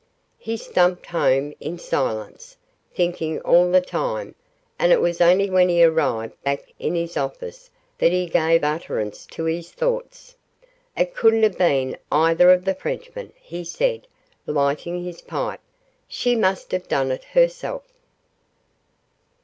He stumped home in silence, thinking all the time; and it was only when he arrived back in his office that he gave utterance to his thoughts. 'It couldn't have been either of the Frenchmen,' he said, lighting his pipe. 'She must have done it herself.